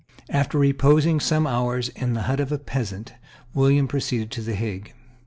After reposing some hours in the hut of a peasant, William proceeded to the Hague.